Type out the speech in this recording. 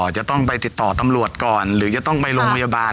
จะต้องไปติดต่อตำรวจก่อนหรือจะต้องไปโรงพยาบาล